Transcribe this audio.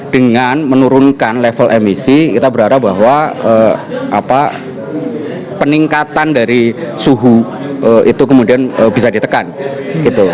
dengan menurunkan level emisi kita berharap bahwa peningkatan dari suhu itu kemudian bisa ditekan gitu